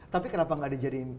tapi kenapa gak dijadiin